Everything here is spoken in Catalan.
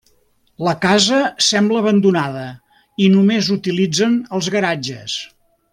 La casa sembla abandonada i només utilitzen els garatges.